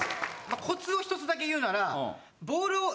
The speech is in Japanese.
コツを１つ言うなら。